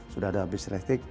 sudah ada bus elektrik